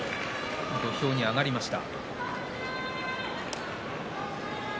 土俵に上がりました。